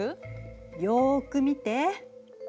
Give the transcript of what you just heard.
よく見て。